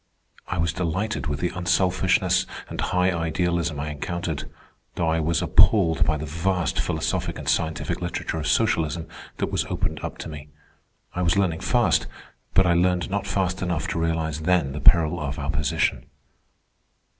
I was delighted with the unselfishness and high idealism I encountered, though I was appalled by the vast philosophic and scientific literature of socialism that was opened up to me. I was learning fast, but I learned not fast enough to realize then the peril of our position.